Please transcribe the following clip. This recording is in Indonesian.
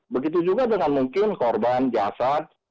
begitu juga dengan mungkin korban jasad